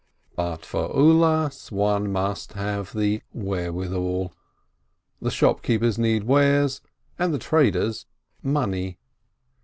But for Ulas one must have the wherewithal — the shopkeepers need wares, and the traders, money.